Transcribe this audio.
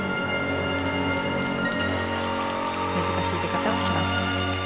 難しい出方をします。